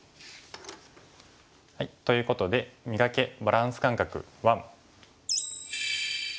ということで「磨け！バランス感覚１」。